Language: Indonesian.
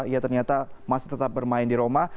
ia ternyata masih tetap bermain di roma